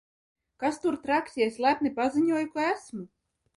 Kas tur traks, ja es lepni paziņoju, ka esmu?